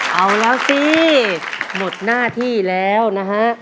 เอาแล้วสิหมดหน้าที่แล้วนะฮะ